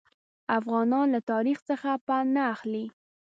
افغانان له تاریخ څخه پند نه اخلي.